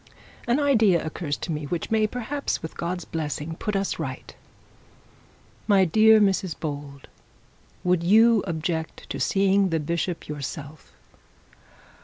An idea occurs to me, which may, perhaps, with God's blessing, put us right. My dear Mrs Bold, would you object to seeing the bishop yourself?'